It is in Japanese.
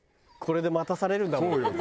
これで待たされるんだもん。